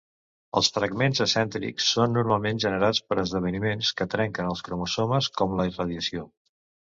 Els fragments acèntrics són normalment generats per esdeveniments que trenquen els cromosomes, com la irradiació.